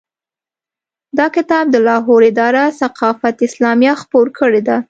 دا کتاب د لاهور اداره ثقافت اسلامیه خپور کړی دی.